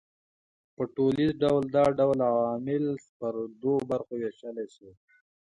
په ټوليز ډول دا ډول عوامل پر دوو برخو وېشلای سو